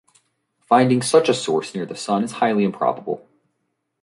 Finding such an source near the sun is highly improbable.